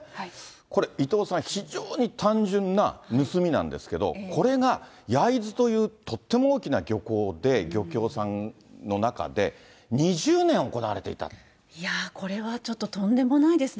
これ、伊藤さん、非常に単純な盗みなんですけど、これが焼津というとっても大きな漁港で、漁協さんの中で、いやー、これはちょっと、とんでもないですね。